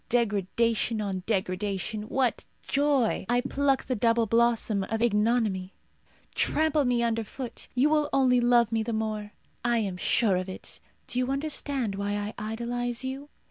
Degradation on degradation. What joy! I pluck the double blossom of ignominy. Trample me under foot. You will only love me the more. I am sure of it. Do you understand why I idolize you?